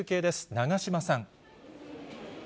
長島さん。